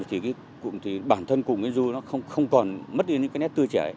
thì bản thân cụ nguyễn du nó không còn mất đi những cái nét tươi trẻ